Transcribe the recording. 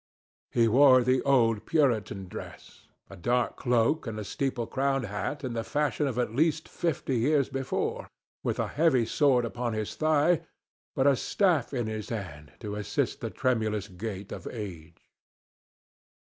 He wore the old Puritan dress—a dark cloak and a steeple crowned hat in the fashion of at least fifty years before, with a heavy sword upon his thigh, but a staff in his hand to assist the tremulous gait of age.